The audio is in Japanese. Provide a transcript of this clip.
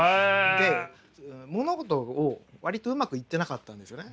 で物事を割とうまくいってなかったんですよね。